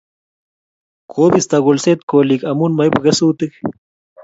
Kibisto kolset kolik amu maibu kesutik